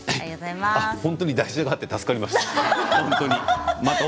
本当に台車があって助かりました。